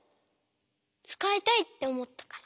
つかいたいっておもったから。